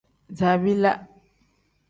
Zabiila.